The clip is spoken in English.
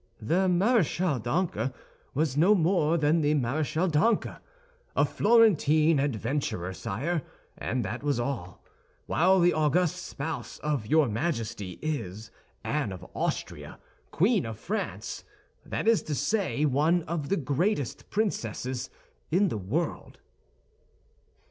"The Maréchale d'Ancre was no more than the Maréchale d'Ancre. A Florentine adventurer, sire, and that was all; while the august spouse of your Majesty is Anne of Austria, Queen of France—that is to say, one of the greatest princesses in the world."